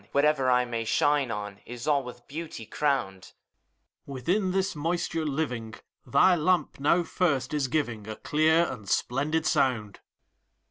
Whatever I may shine on Is all with beauty crowned. PROTEUS. Within this moisture living, Thy lamp now first is giving A clear and splendid sound.